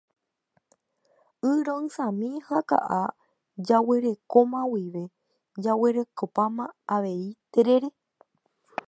Y ro'ysãmi ha ka'a jaguerekóma guive jaguerekóma avei terere.